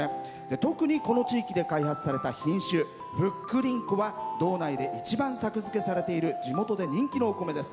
特に、この地域で開発された品種「ふっくりんこ」は道内で一番作付けされている地元で人気のお米です。